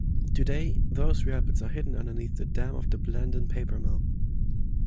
Today, those rapids are hidden underneath the dam of the Blandin Paper Mill.